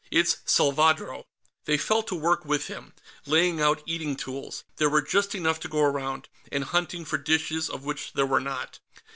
It's Salvadro." They fell to work with him, laying out eating tools there were just enough to go around and hunting for dishes, of which there were not.